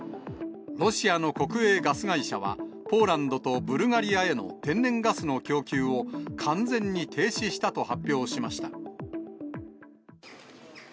ロシアの国営ガス会社はポーランドとブルガリアへの天然ガスの供給を、完全に停止したと発表しました。